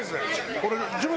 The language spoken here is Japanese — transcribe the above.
これ、。